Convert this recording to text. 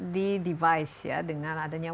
di device ya dengan adanya